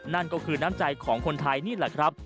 นั่นก็คือน้ำใจของคนไทยนี่แหละครับ